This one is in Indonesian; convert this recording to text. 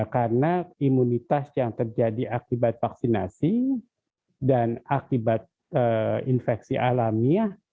karena imunitas yang terjadi akibat vaksinasi dan akibat infeksi alamiah